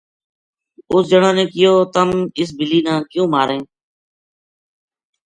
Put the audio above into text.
اُس جنا نے کہیو تم اِس بِلی نا کیوں ماریں